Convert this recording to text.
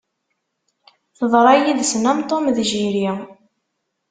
Teḍra yid-sen am Tom d Jerry